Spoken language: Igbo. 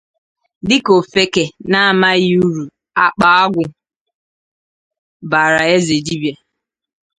dịka ofeke na-amaghị uru akpa agwụ baara eze dibịa.